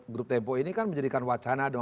grup tempo ini kan menjadikan wacana dong